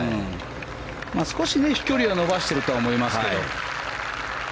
少し飛距離は伸ばしてると思いますけど。